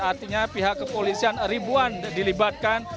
artinya pihak kepolisian ribuan dilibatkan